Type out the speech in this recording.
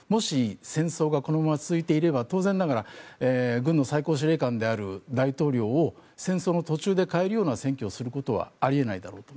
もし戦争がこのまま続いていれば当然ながら軍の最高司令官である大統領を戦争の途中で代えるような選挙をすることはあり得ないだろうと。